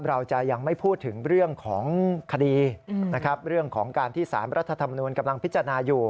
เราจะยังไม่พูดถึงเรื่องของคดีนะครับเรื่องของการที่สารรัฐธรรมนูลกำลังพิจารณาอยู่